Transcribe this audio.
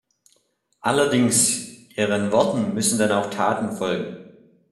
Allerdings, Ihren Worten müssen dann auch Taten folgen!